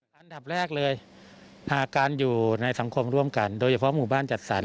อันดับแรกเลยหากการอยู่ในสังคมร่วมกันโดยเฉพาะหมู่บ้านจัดสรร